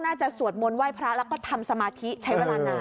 สวดมนต์ไหว้พระแล้วก็ทำสมาธิใช้เวลานาน